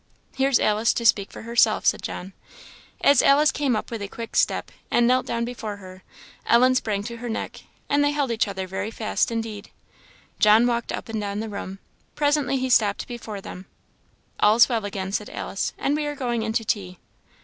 "Here's Alice to speak for herself," said John. As Alice came up with a quick step and knelt down before her, Ellen sprang to her neck, and they held each other very fast indeed. John walked up and down the room. Presently he stopped before them. "All's well again," said Alice, "and we are going in to tea."